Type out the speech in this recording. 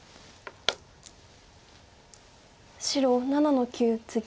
白７の九ツギ。